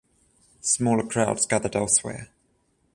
Smaller crowds gathered elsewhere.